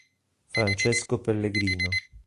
Francesco Pellegrino